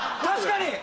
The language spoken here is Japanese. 確かに！